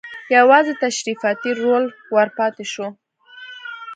یوازې تشریفاتي رول ور پاتې شو.